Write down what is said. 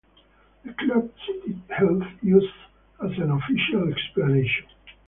The club cited health issues as an official explanation.